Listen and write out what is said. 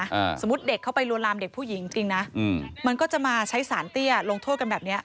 อ่าสมมุติเด็กเข้าไปลวนลามเด็กผู้หญิงจริงจริงนะอืมมันก็จะมาใช้สารเตี้ยลงโทษกันแบบเนี้ย